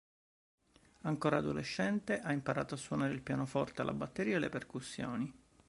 Ancora adolescente ha imparato a suonare il pianoforte, la batteria e le percussioni.